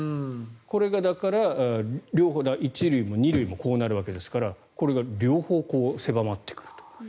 これが、だから、両方１塁も２塁もこうなるわけですからこれが両方狭まってくると。